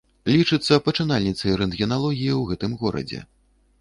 Лічыцца пачынальніцай рэнтгеналогіі ў гэтым горадзе.